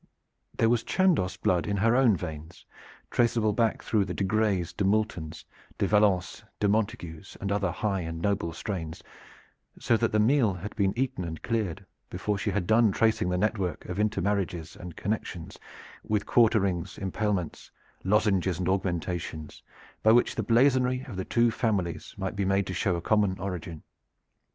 There was Chandos blood in her own veins, traceable back through the de Greys, de Multons, de Valences, de Montagues and other high and noble strains, so that the meal had been eaten and cleared before she had done tracing the network of intermarriages and connections, with quarterings, impalements, lozenges and augmentations by which the blazonry of the two families might be made to show a common origin.